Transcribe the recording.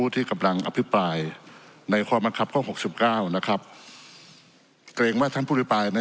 ที่กำลังอภิปรายในความมันครับข้อ๖๙นะครับเกรงว่าท่านผู้อภิปรายน่ะ